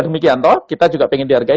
demikian toh kita juga ingin dihargai